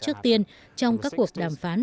trước tiên trong các cuộc đàm phán